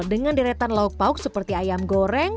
dengan deretan lauk pauk seperti ayam goreng